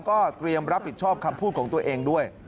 ก็เตรียมรับผิดชอบคำพูดของตัวเองด้วย